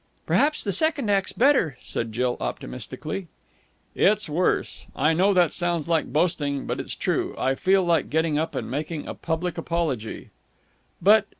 "Perhaps the second act's better," said Jill optimistically. "It's worse. I know that sounds like boasting, but it's true. I feel like getting up and making a public apology." "But